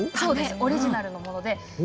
オリジナルのものです。